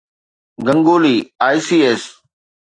Ganguly I.C.S